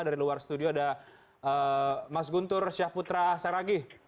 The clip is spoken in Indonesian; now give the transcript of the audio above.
dari luar studio ada mas guntur syahputra saragih